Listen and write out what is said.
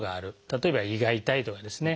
例えば胃が痛いとかですね